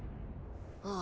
ああ。